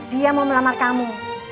dia mau melamar kamu